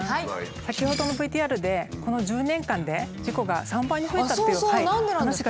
先ほどのＶＴＲでこの１０年間で事故が３倍に増えたっていう話がありましたけど。